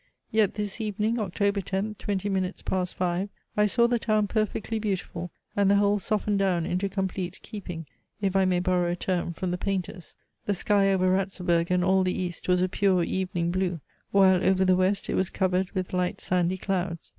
Yet this evening, Oct. 10th, twenty minutes past five, I saw the town perfectly beautiful, and the whole softened down into complete keeping, if I may borrow a term from the painters. The sky over Ratzeburg and all the east was a pure evening blue, while over the west it was covered with light sandy clouds.